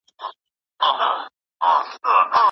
او حتی د استقلال د ګټونکي